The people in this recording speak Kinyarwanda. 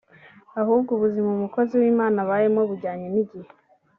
Ahubwo ubuzima umukozi w’Imana abayemo bujyanye n’igihe